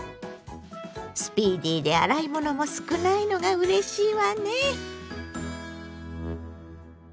スピーディーで洗い物も少ないのがうれしいわね。